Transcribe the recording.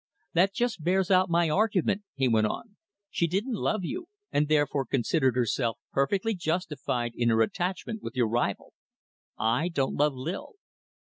"That just bears out my argument," he went on. "She didn't love you, and therefore considered herself perfectly justified in her attachment with your rival. I don't love Lil."